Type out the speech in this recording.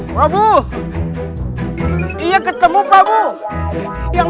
saya akan menang